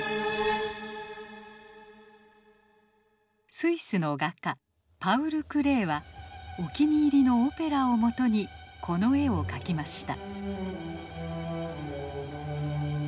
スイスの画家パウル・クレーはお気に入りのオペラをもとにこの絵を描きました。